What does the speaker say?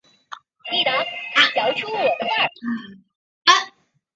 托里尼亚是巴西圣保罗州的一个市镇。